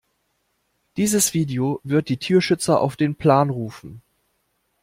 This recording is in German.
Dieses Video wird die Tierschützer auf den Plan rufen.